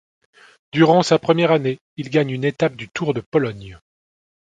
Durant sa première année, il gagne une étape du Tour de Pologne.